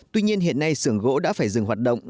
tuy nhiên hiện nay sưởng gỗ đã phải dừng hoạt động